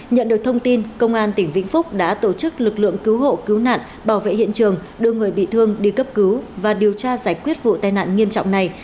nhận được thông tin công an tỉnh vĩnh phúc đã tổ chức lực lượng cứu hộ cứu nạn bảo vệ hiện trường đưa người bị thương đi cấp cứu và điều tra giải quyết vụ tai nạn nghiêm trọng này